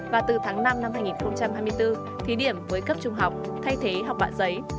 và từ tháng năm năm hai nghìn hai mươi bốn thí điểm với cấp trung học thay thế học bạ giấy